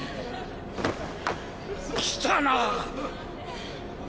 来たな！